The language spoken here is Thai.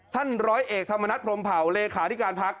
ท่านร้อยเอกธรรมนัฐพรมเผาเลขาธิการพัก